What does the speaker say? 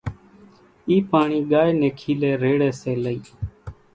اِي پاڻي ڳائي ني کيلي ريڙي سي لئي۔